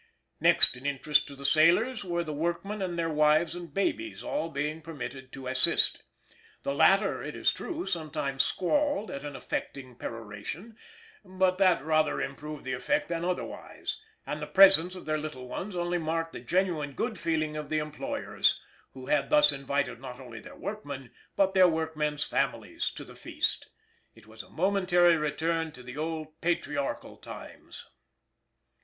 Next in interest to the sailors were the workmen and their wives and babies, all being permitted to assist. The latter, it is true, sometimes squalled at an affecting peroration, but that rather improved the effect than otherwise, and the presence of their little ones only marked the genuine good feeling of the employers, who had thus invited not only their workmen, but their workmen's families to the feast. It was a momentary return to the old patriarchal times.